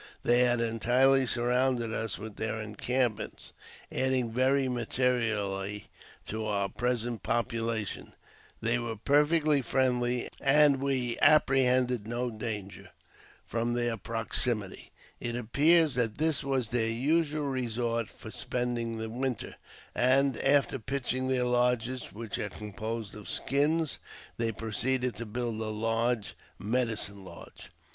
They had entirely surrounded us with their en campments, adding very materially to our present population. They were perfectly friendly and we apprehended no danger JAMES P. BECKWOUBTH. 95 from their proximity. It appears that this was their usual resort for spending the winter ; and, after pitching their lodges, which are composed of skins, they proceeded to build a large " medicine lodge."